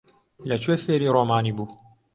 لەکوێ فێری ڕۆمانی بوو؟